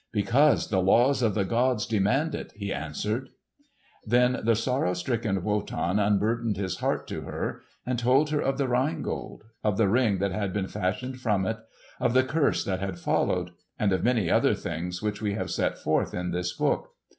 "Because the laws of the gods demand it," he answered. Then the sorrow stricken Wotan unburdened his heart to her and told her of the Rhine Gold; of the Ring that had been fashioned from it; of the curse that had followed; and of many other things which we have set forth in this book.